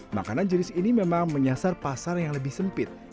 makanan jenis ini memang menyasar pasar yang lebih sempit